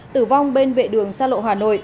tử vong bên vệ đường xa lộ hà nội